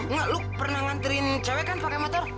mak lu pernah nganterin cewek kan pakai motor